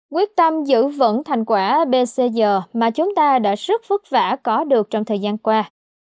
quyết tâm giữ vững thành quả bcg mà chúng ta đã rất vất vả có được trong thời gian qua